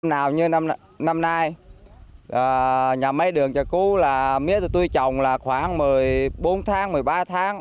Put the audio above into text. nào như năm nay nhà máy đường trà cú là mía tôi trồng khoảng một mươi bốn tháng một mươi ba tháng